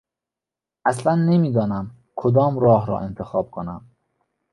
اصلا نمیدانم کدام راه را انتخاب کنم.